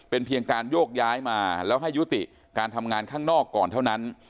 เป็นเพียงการโยกย้ายมาแล้วให้ยุติการทำงานข้างนอกก่อนเท่านั้น